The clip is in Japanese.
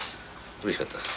うれしかったです。